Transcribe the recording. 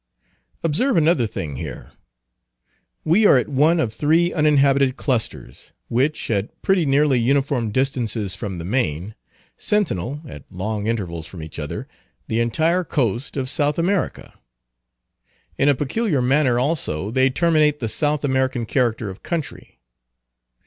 Observe another thing here. We are at one of three uninhabited clusters, which, at pretty nearly uniform distances from the main, sentinel, at long intervals from each other, the entire coast of South America. In a peculiar manner, also, they terminate the South American character of country.